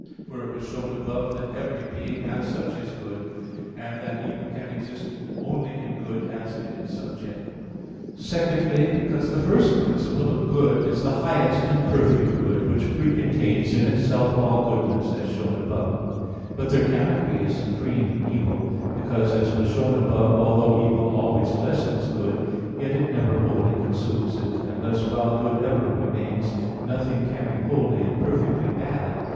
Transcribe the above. For it was shown above that every being, as such, is good (Q. 5, A. 3); and that evil can exist only in good as in its subject (Q. 48, A. 3). Secondly, because the first principle of good is the highest and perfect good which pre contains in itself all goodness, as shown above (Q. 6, A. 2). But there cannot be a supreme evil; because, as was shown above (Q. 48, A. 4), although evil always lessens good, yet it never wholly consumes it; and thus, while good ever remains, nothing can be wholly and perfectly bad.